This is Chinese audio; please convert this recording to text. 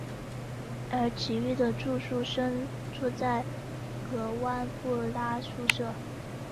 而其余的住宿生住在格湾布拉宿舍。